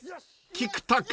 菊田君］